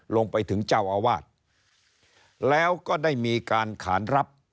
ลงไปถึงเจ้าอาวาสแล้วก็ได้มีการขานรับ